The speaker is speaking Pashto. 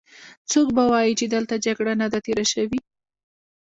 څوک به وايې چې دلته جګړه نه ده تېره شوې.